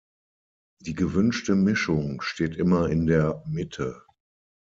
Die gewünschte Mischung steht immer in der Mitte.